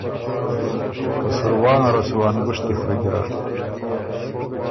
که سُروا نره سو ا نګُشتی خوری ګیرډ